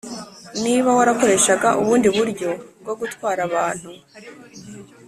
Niba Warakoreshaga Ubundi Buryo Bwo Gutwara Abantu